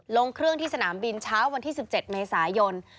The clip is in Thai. ลงเครื่องที่สนามบินเช้าวันที่๑๗เมษายน